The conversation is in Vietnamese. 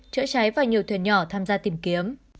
chữa cháy và nhiều thuyền nhỏ tham gia tìm kiếm